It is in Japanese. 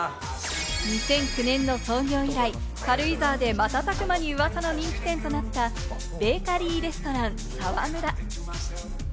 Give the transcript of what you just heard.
２００９年の創業以来、軽井沢で瞬く間に噂の人気店となった、ベーカリーレストラン・ＳＡＷＡＭＵＲＡ。